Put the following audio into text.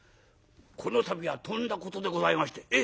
この度はとんだことでございまして。